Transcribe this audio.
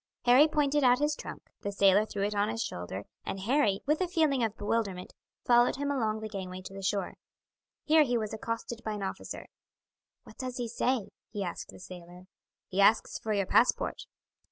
Harry pointed out his trunk; the sailor threw it on his shoulder, and Harry, with a feeling of bewilderment, followed him along the gangway to the shore. Here he was accosted by an officer. "What does he say?" he asked the sailor. "He asks for your passport."